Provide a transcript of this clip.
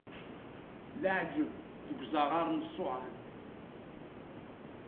Leɛǧayeb deg uzaɣar n Ṣuɛan.